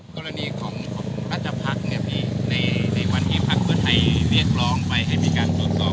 กรณีของพระธรรพักษ์ในวันที่พระคุณไทยเรียกรองไปให้มีการตรวจสอบ